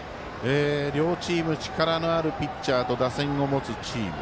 両チーム、力のあるピッチャーと打線を持つチーム。